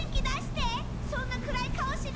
そんな暗い顔しないで！